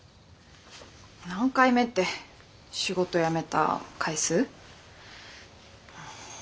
何回目って仕事辞めた回数？